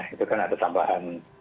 itu kan ada tambahan